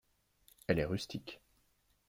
Elle est rustique.